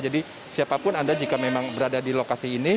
jadi siapapun anda jika memang berada di lokasi